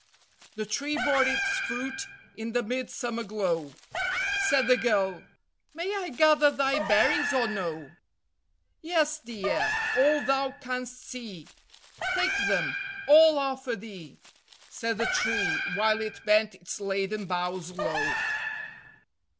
The tree bore its fruit in the midsummer glow: Said the girl, "May I gather thy berries or no?" "Yes, dear, all thou canst see; Take them; all are for thee," Said the tree, while it bent its laden boughs low.